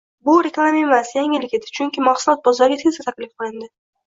Bu reklama emas, yangilik edi, chunki mahsulot bozorga tezda taklif qilindi